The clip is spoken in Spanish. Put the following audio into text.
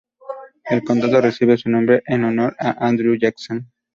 El condado recibe su nombre en honor a Andrew Jackson.